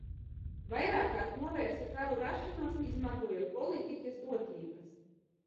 Vairākkārt novērsa karu rašanos, izmantojot politiķes dotības.